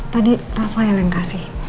tadi raffael yang kasih